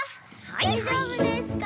だいじょうぶですか？